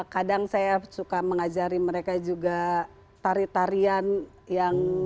kadang saya suka mengajari mereka juga tarian tarian yang